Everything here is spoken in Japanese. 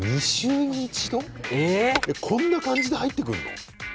こんな感じで入ってくんの？